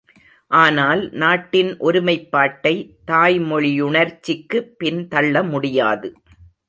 ஆனால், நாட்டின் ஒருமைப்பாட்டை தாய்மொழியுணர்ச்சிக்கு பின் தள்ள முடியாது.